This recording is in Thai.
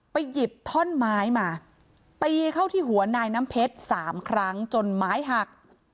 หยิบท่อนไม้มาตีเข้าที่หัวนายน้ำเพชร๓ครั้งจนไม้หัก